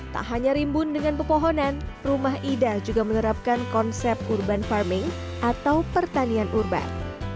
tak hanya rimbun dengan pepohonan rumah ida juga menerapkan konsep urban farming atau pertanian urban